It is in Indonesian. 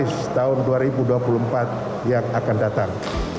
kita segera mempersiapkan diri menuju olimpiade paris tahun dua ribu dua puluh empat yang akan datang